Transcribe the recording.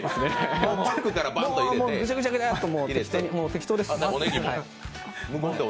もうぐちゃぐちゃぐちゃっと入れて、適当です。